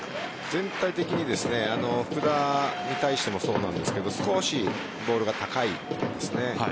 全体的に福田に対してもそうなんですが少しボールが高いです。